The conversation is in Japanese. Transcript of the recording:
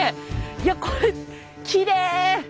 いやこれきれい！